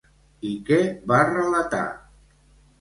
I què va relatar?